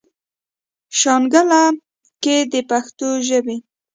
شانګله کښې د پښتو ژبې